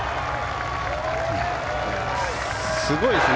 すごいですね。